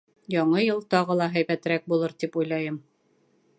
Яңы йыл тағы ла һәйбәтерәк булыр, тип уйлайым.